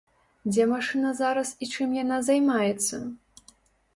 Дзе машына зараз і чым яна займаецца?